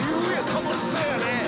楽しそうやね。